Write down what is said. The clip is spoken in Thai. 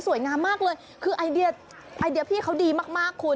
งามมากเลยคือไอเดียไอเดียพี่เขาดีมากคุณ